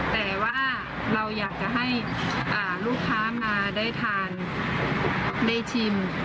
แต่ว่าเราอยากจะให้ลูกค้ามาได้ทานได้ชิม